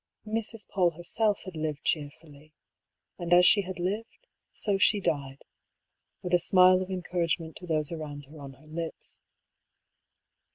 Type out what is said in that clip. Mrs. PauU herself had lived cheerfully ; and as she had lived, so she died — ^with a smile of encourage ment to those around her on her lips.